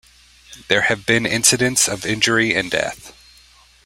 There have been incidents of injury and death.